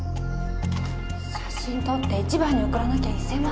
写真撮って一番に送らなきゃ１，０００万